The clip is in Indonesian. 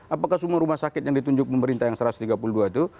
apakah semua rumah sakit yang ditunjuk pemerintah yang satu ratus tiga puluh dua itu